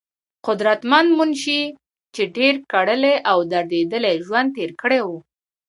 قدرمند منشي، چې ډېر کړېدلے او درديدلے ژوند تير کړے وو